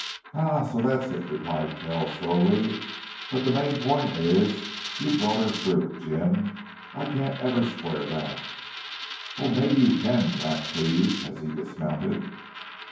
"Aha! So that's it," replied Kells, slowly. "But the main point is you brought her through. Jim, I can't ever square that." "Oh, maybe you can," laughed Cleve, as he dismounted.